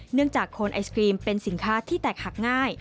จากโคนไอศกรีมเป็นสินค้าที่แตกหักง่าย